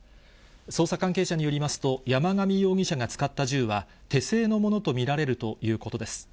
捜査関係者によりますと、山上容疑者が使った銃は、手製のものと見られるということです。